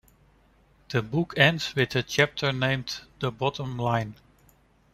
The book ends with a chapter named "The bottom line".